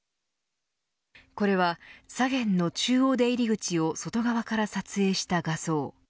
これは左舷の中央出入り口を外側から撮影した画像。